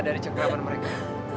dari cakraman mereka